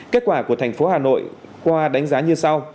kết quả của thành phố hà nội qua đánh giá như sau